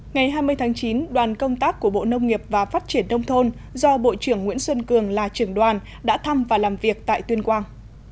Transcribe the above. ngày hai mươi tháng chín đoàn công tác của bộ nông nghiệp và phát triển đông thôn do bộ trưởng nguyễn xuân cường là trưởng đoàn đã thăm và làm việc tại tuyên quang